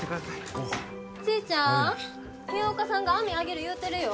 おお悪いなちーちゃん清岡さんが網揚げる言うてるよ